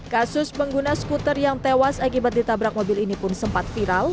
kasus pengguna skuter yang tewas akibat ditabrak mobil ini pun sempat viral